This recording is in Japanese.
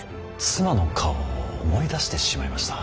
妻の顔を思い出してしまいました。